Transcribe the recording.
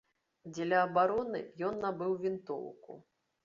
Дзеля абароны ён набыў вінтоўку.